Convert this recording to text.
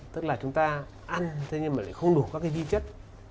tức là chúng ta ăn nhưng không đủ các vi chất